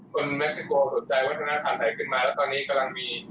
เม็กซิโกสนใจวัฒนธรรมไทยขึ้นมาแล้วตอนนี้กำลังมี